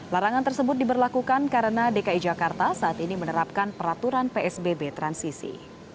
larangan tersebut diberlakukan karena dki jakarta saat ini menerapkan peraturan psbb transisi